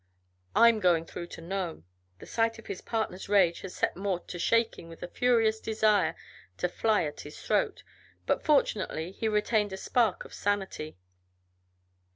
"I'm going through to Nome." The sight of his partner's rage had set Mort to shaking with a furious desire to fly at his throat, but fortunately, he retained a spark of sanity.